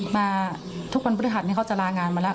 มาทุกวันพฤหัสนี่เขาจะลางานมาแล้ว